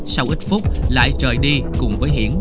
sau ít phút lại trời đi cùng với hiển